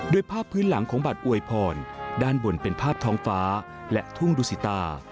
โดยภาพพื้นหลังของบัตรอวยพรด้านบนเป็นภาพท้องฟ้าและทุ่งดูสิตา